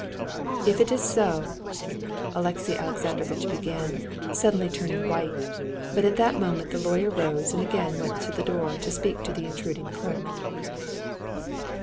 "If it is so...." Alexey Alexandrovitch began, suddenly turning white; but at that moment the lawyer rose and again went to the door to speak to the intruding clerk.